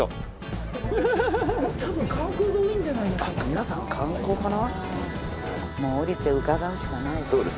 皆さん観光かな？